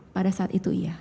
pada saat itu iya